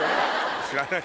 知らない？